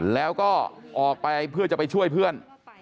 แล้วก็ออกไปเพื่อจะไปช่วยเพื่อน